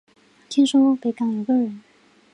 听说北港有个人